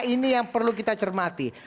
ini yang perlu kita cermati